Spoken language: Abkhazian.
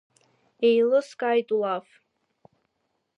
Еилыскааит улаф.